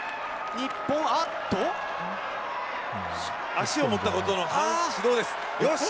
足を持ったことの指導です。